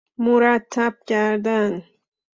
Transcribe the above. مرتب کردن